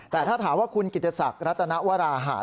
แต่ถ้าถามว่าคุณกิจศักดิ์รัตนวราหาร